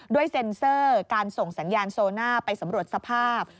เซ็นเซอร์การส่งสัญญาณโซน่าไปสำรวจสภาพ